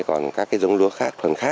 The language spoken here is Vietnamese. còn các dống lúa khác thuần khác